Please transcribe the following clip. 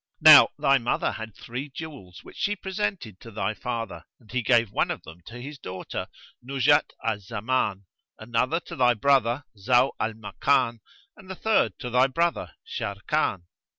Now thy mother had three jewels which she presented to thy father; and he gave one of them to his daughter, Nuzhat al Zaman, another to thy brother, Zau al Makan, and the third to thy brother Sharrkan.